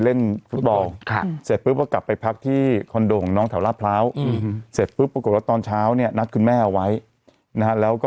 เล่นฟุตบอลเสร็จเลยกลับไปพักที่คอนโดของน้องขาวเร่่าเสร็จปุ๊บปกติตอนเช้านี้นักคุณแม่เอาไว้แล้ว